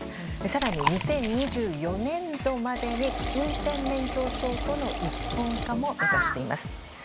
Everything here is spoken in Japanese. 更に、２０２４年度までに運転免許証との一本化も目指しています。